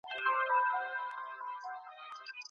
د ژوند د بدبختیو په وخت کي صبر وکړه.